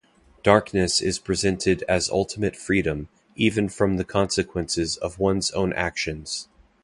Darkness is presented as ultimate freedom, even from the consequences of one's own actions.